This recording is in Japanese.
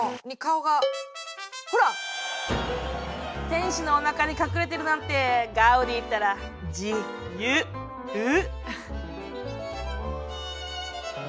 天使のおなかに隠れてるなんてガウディったらじ・ゆ・う！